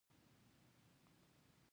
د پیرودونکي باور د اخلاص ثبوت دی.